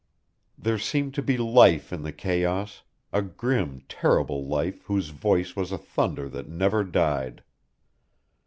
There seemed to be life in the chaos a grim, terrible life whose voice was a thunder that never died.